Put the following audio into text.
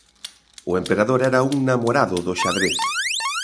O Emperador era un namorado do xadrez.